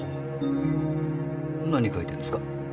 何書いてんですか？